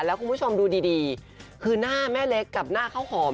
แล้วคุณผู้ชมดูดีคือหน้าแม่เล็กกับหน้าข้าวหอม